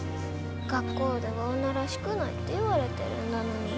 学校では女らしくないって言われてるんだのに。